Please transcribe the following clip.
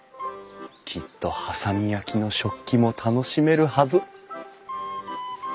きっと波佐見焼の食器も楽しめるはず！